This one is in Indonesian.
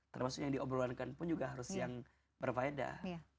termasuk yang diobrolankan pun juga harus yang berfaedah